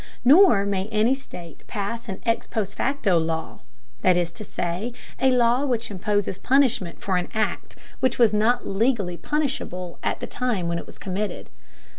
Nor may any state pass an ex post facto law, that is to say, a law which imposes punishment for an act which was not legally punishable at the time when it was committed.